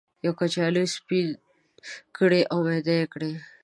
یو کچالو سپین کړئ او میده یې کړئ.